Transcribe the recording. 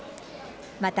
また、